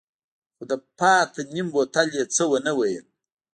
خو د پاتې نيم بوتل يې څه ونه ويل.